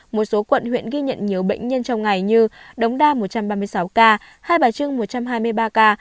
một số quận huyện ghi nhận nhiều bệnh nhân trong ngày như đống đa một trăm ba mươi sáu ca hai bà trưng một trăm hai mươi ba ca